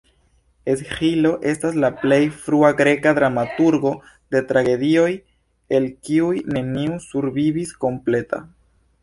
Esĥilo estas la plej frua greka dramaturgo de tragedioj el kiuj neniu survivis kompleta.